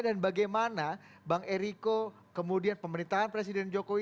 dan bagaimana bang eriko kemudian pemerintahan presiden jokowi